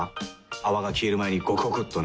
泡が消える前にゴクゴクっとね。